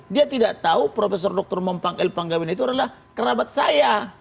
dia tidak tahu profesor dr mempang el panggawian itu adalah kerabat saya